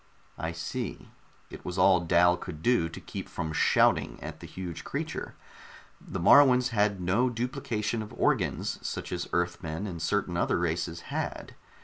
"I see." It was all Dal could do to keep from shouting at the huge creature. The Moruans had no duplication of organs, such as Earthmen and certain other races had.